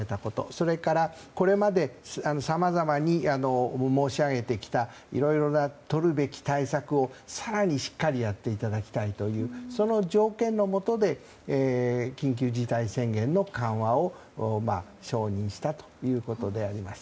それから、これまでさまざまに申し上げてきたいろいろなとるべき対策を更に、しっかりやっていただきたいというその条件のもとで緊急事態宣言の緩和を承認したということであります。